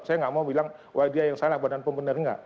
saya nggak mau bilang wah dia yang salah badan pembenar nggak